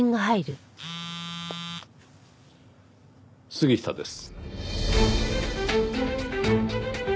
杉下です。